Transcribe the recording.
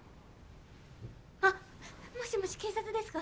あもしもし警察ですか？